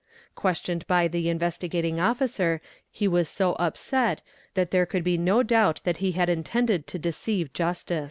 Questioned by the Investigating Officer he was so upset tha there could be no doubt that he had intended to deceive justice.